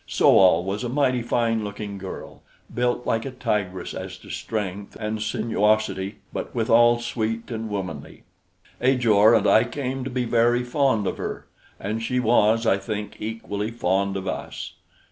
So al was a mighty fine looking girl, built like a tigress as to strength and sinuosity, but withal sweet and womanly. Ajor and I came to be very fond of her, and she was, I think, equally fond of us.